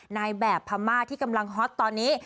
ในแบบพม่าที่กำลังฮอตตอนนี้